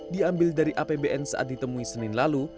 diambil dari apbn saat ditemui senin lalu